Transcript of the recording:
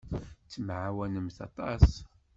Ttemɛawanent aṭas.